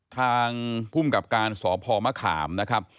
ทางภูมิกับการสพมะขามนะครับ